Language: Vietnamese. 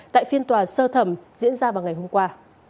tại phiên tòa sơ thẩm diễn ra vào ngày hôm qua